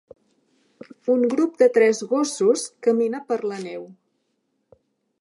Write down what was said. Un grup de tres gossos camina per la neu.